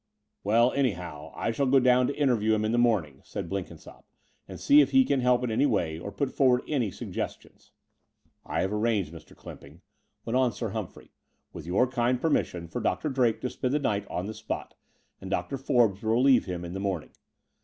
"Well, anyhow, I shall go down to interview him in the morning," said Blenkinsopp, "and see if he can help in any way or put forward any suggestions." "I have arranged, Mr. Clymping," went on Sir Humphrey, "with your kind permission, for Dr. Drake to spend the night on the spot; and Dr. Forbes will relieve him in the morning.